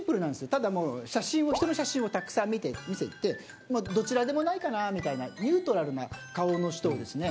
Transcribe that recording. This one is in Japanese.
ただ人の写真をたくさん見せてどちらでもないかなみたいなニュートラルな顔の人をですね